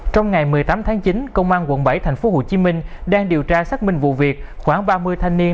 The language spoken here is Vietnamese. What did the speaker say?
trong ngày một mươi tám tháng chín công an quận bảy tp hcm đang điều tra xác minh vụ việc khoảng ba mươi thanh niên